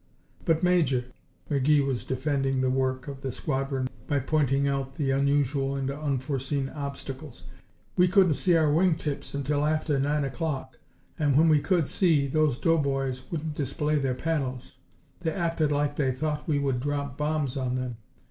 "But, Major," McGee was defending the work of the squadron by pointing out the unusual and unforeseen obstacles, "we couldn't see our wing tips until after nine o'clock, and when we could see, those doughboys wouldn't display their panels. They acted like they thought we would drop bombs on them.